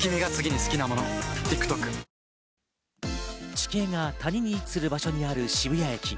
地形が谷に位置する場所にある渋谷駅。